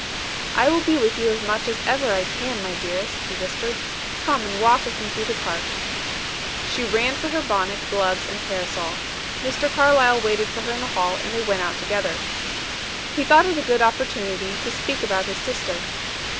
"I will be with you as much as ever I can, my dearest," he whispered. "Come and walk with me through the park." She ran for her bonnet, gloves and parasol. Mr. Carlyle waited for her in the hall, and they went out together. He thought it a good opportunity to speak about his sister.